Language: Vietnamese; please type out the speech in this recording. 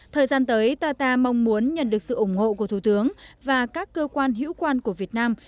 thời gian tới tata mong muốn nhận được sự ủng hộ của thủ tướng và các cơ quan hữu quan của việt nam